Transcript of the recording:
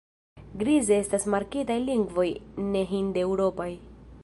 Grize estas markitaj lingvoj nehindeŭropaj.